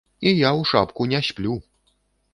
І я ў шапку не сплю!